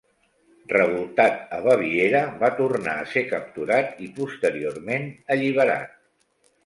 Revoltat a Baviera, va tornar a ser capturat i posteriorment alliberat.